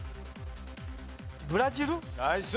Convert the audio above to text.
ブラジル？